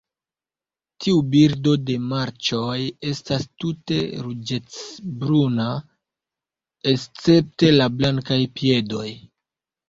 Tiu birdo de marĉoj estas tute ruĝecbruna, escepte la blankaj piedoj.